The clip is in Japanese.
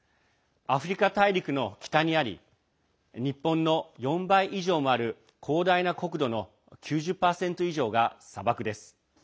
アフリカ大陸の北にあり日本の４倍以上もある広大な国土の９０％以上が砂漠です。